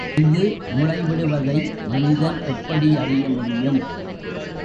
இது முளைவிடுவதை மனிதன் எப்படி அறிய முடியும்?